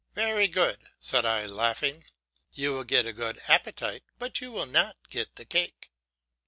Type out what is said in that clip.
"Very good," said I, laughing, "You will get a good appetite, but you will not get the cake."